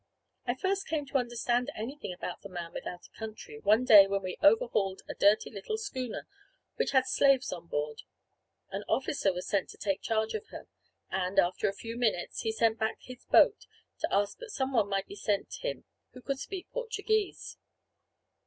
I first came to understand anything about "the man without a country" one day when we overhauled a dirty little schooner which had slaves on board. An officer was sent to take charge of her, and, after a few minutes, he sent back his boat to ask that someone might be sent him who could speak Portuguese.